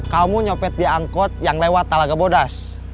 kamu nyopet di angkot yang lewat talaga bodas